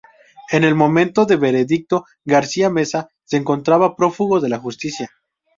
En el momento del veredicto, García Meza se encontraba prófugo de la justicia.